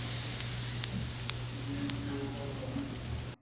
گیجن کو ٹا کان۔